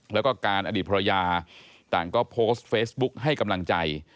แล้วก็การอดีตภรรยาต่างก็โพสต์เฟซบุ๊กให้กำลังใจ